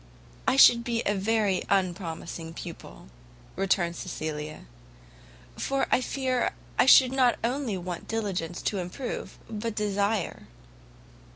"I should be a very unpromising pupil," returned Cecilia, "for I fear I should not only want diligence to improve, but desire."